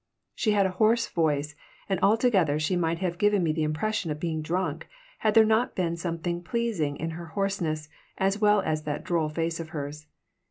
She had a hoarse voice, and altogether she might have given me the impression of being drunk had there not been something pleasing in her hoarseness as well as in that droll face of hers.